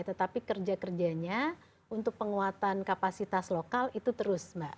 tetapi kerja kerjanya untuk penguatan kapasitas lokal itu terus mbak